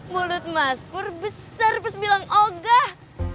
mulut mas pur besar terus bilang ogah